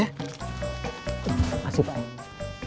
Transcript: terima kasih pak